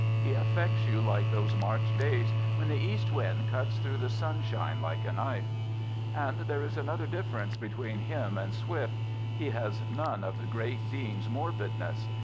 He affects you like those March days when the east wind cuts through the sun shine like a knife. And there is another difference between him and Swift. He has none of the great Dean's morbidness.